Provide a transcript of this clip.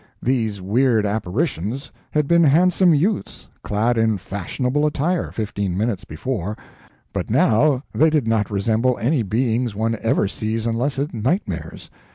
These weird apparitions had been handsome youths, clad in fashionable attire, fifteen minutes before, but now they did not resemble any beings one ever sees unless in nightmares.